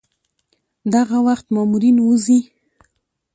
دغه وخت مامورین وځي.